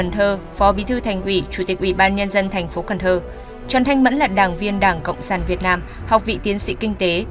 trần thành mẫn là đảng viên đảng cộng sản việt nam học vị tiến sĩ kinh tế